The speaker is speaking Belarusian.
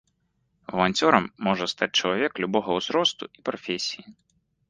Валанцёрам можа стаць чалавек любога ўзросту і прафесіі.